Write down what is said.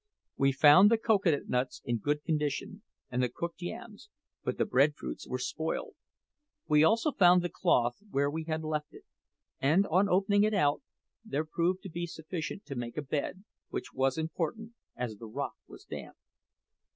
We found the cocoa nuts in good condition, and the cooked yams; but the bread fruits were spoiled. We also found the cloth where we had left it, and on opening it out, there proved to be sufficient to make a bed which was important, as the rock was damp.